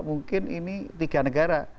mungkin ini tiga negara